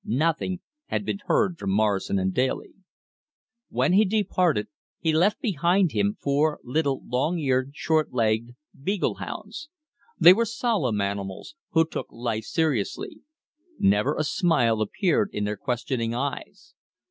Nothing had been heard from Morrison & Daly. When he departed, he left behind him four little long eared, short legged beagle hounds. They were solemn animals, who took life seriously. Never a smile appeared in their questioning eyes.